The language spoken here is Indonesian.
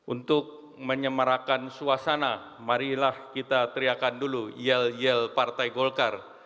untuk menyemarakan suasana marilah kita teriakan dulu yel yel partai golkar